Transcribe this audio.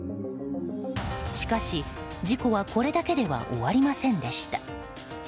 しかし、事故はこれだけでは終わりませんでした。